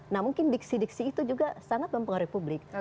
nah mungkin diksi diksi itu juga sangat mempengaruhi publik